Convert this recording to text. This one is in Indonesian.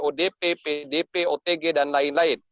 odp pdp otg dan lain lain